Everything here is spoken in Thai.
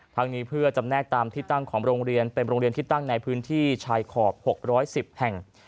ทั้งนี้เพื่อจำแนกตามที่ตั้งของโรงเรียนเป็นโรงเรียนที่ตั้งในพื้นที่ชายขอบ๖๑๐แห่ง